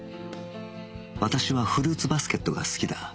私はフルーツバスケットが好きだ